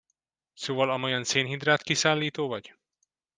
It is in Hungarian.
Szóval amolyan szénhidrát kiszállító vagy?